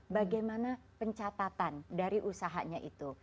bagaimana pencatatan dari usahanya itu